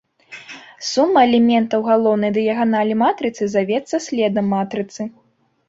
Сума элементаў галоўнай дыяганалі матрыцы завецца следам матрыцы.